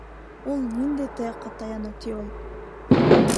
Ул ниндәй таяҡҡа таяныу ти ул?